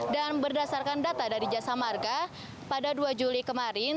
dan berdasarkan data dari jasa marga pada dua juli kemarin